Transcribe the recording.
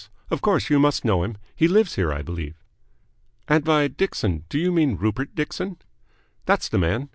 Of course you must know him? He lives here, I believe." "And by Dixon do you mean Rupert Dixon?" "That's the man.